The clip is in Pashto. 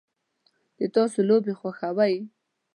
د تاسو لوبې خوښوئ؟